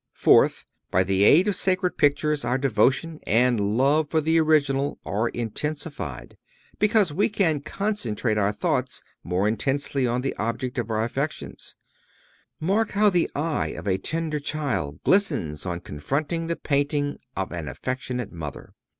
Fourth—By the aid of sacred pictures _our devotion and love for the original are intensified, because we can concentrate our thoughts more intently on the object of our affections_. Mark how the eye of a tender child glistens on confronting the painting of an affectionate mother.